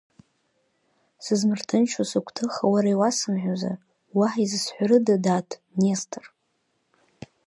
Сызмырҭынчуа сыгәҭыха уара иуасымҳәозар, уаҳа изасҳәарыда, дад, Нестор?